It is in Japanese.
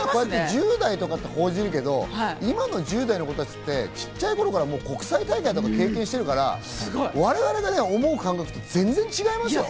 １０代とかって報じるけど、今の１０代の子たちって小さい頃から国際大会とか経験してるから、我々が思う感覚と全然違いますよ。